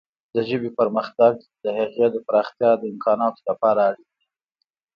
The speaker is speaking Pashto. د ژبې پرمختګ د هغې د پراختیا د امکاناتو لپاره اړین دی.